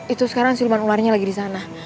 itu sekarang silman ularnya lagi di sana